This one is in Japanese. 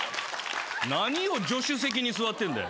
何を助手席に座ってんだよ。